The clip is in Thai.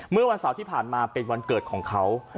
เมื่อวันเสาร์ที่ผ่านมาเป็นวันเกิดของเขา